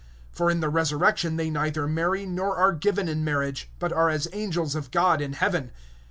(30)For in the resurrection they neither marry, nor are given in marriage, but are as the angels of God in heaven.